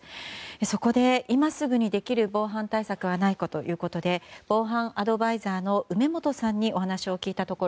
そこで、今すぐにできる防犯対策はないかということで防犯アドバイザーの梅本さんにお話を聞いたところ